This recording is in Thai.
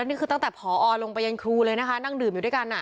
นี่คือตั้งแต่ผอลงไปยันครูเลยนะคะนั่งดื่มอยู่ด้วยกัน